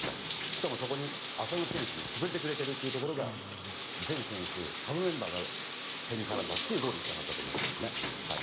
しかも、そこに浅野選手も潰れてくれているというところが全選手、サブメンバーが点に絡んだというゴールにつながったと思いますけどね。